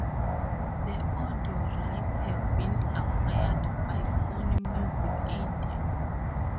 The audio rights have been acquired by Sony Music India.